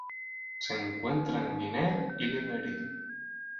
Se encuentra en Guinea y Liberia.